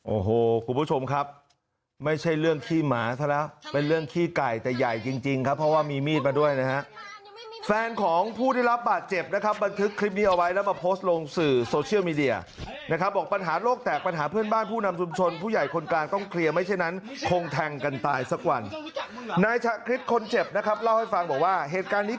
โอ้โหกุณผู้ชมครับไม่ใช่เรื่องขี้หมาซะแล้วเป็นเรื่องขี้ไก่แต่ใหญ่จริงจริงครับเพราะว่ามีมีดมาด้วยนะฮะแฟนของผู้ที่รับบาดเจ็บนะครับบันทึกคลิปนี้เอาไว้แล้วมาโพสต์ลงสื่อโซเชียลมีเดียนะครับบอกปัญหาโรคแตกปัญหาเพื่อนบ้านผู้นำสุมชนผู้ใหญ่คนกลางต้องเคลียร์ไม่ใช่นั้นคงแทงกันตายสักวัน